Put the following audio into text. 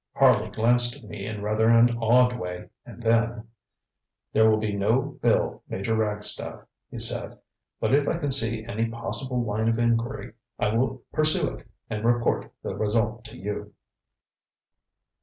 Harley glanced at me in rather an odd way, and then: ŌĆ£There will be no bill, Major Ragstaff, ŌĆØ he said; ŌĆ£but if I can see any possible line of inquiry I will pursue it and report the result to you.